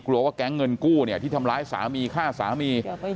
ว่าแก๊งเงินกู้เนี่ยที่ทำร้ายสามีฆ่าสามี